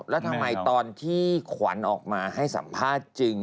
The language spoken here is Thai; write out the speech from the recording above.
แล้วทำไมตอนที่ขวัญออกมาให้สัมภาษณ์จริง